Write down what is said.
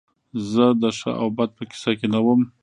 زه د ښه او بد په کیسه کې نه وم